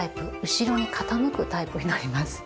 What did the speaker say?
後ろに傾くタイプになります。